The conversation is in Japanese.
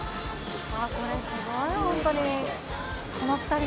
これ、すごい本当に。